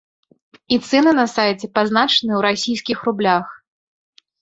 І цэны на сайце пазначаныя ў расійскіх рублях.